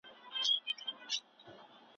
که تعلیمي ویبپاڼه وي نو وخت نه ضایع کیږي.